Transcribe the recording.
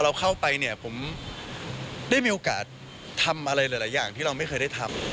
เราเข้าไปเนี่ยผมได้มีโอกาสทำอะไรหลายอย่างที่เราไม่เคยได้ทำ